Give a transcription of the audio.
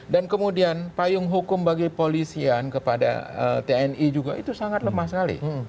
dan kemudian payung hukum bagi polisian kepada tni juga itu sangat lemah sekali